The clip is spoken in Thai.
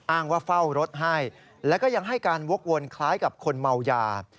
อ้างว่าเฝ้ารถให้แล้วก็ยังให้การวกวนคล้ายกับคนเมายา